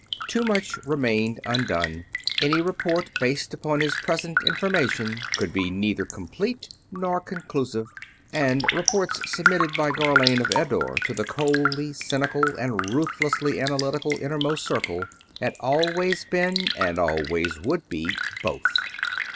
Too much remained undone. Any report based upon his present information could be neither complete nor conclusive, and reports submitted by Gharlane of Eddore to the coldly cynical and ruthlessly analytical innermost Circle had always been and always would be both.